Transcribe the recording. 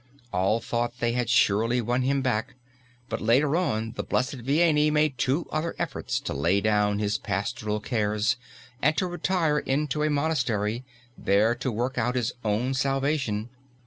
All thought they had surely won him back, but later on the Blessed Vianney made two other efforts to lay down his pastoral cares and to retire into a monastery, there to work out his own salvation.